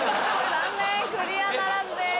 残念クリアならずです。